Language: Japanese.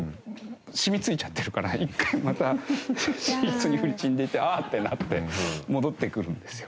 染みついちゃってるから一回また寝室にフルチンで行ってああ！ってなって戻ってくるんですよ。